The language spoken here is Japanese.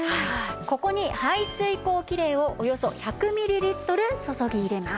ここに排水口キレイをおよそ１００ミリリットル注ぎ入れます。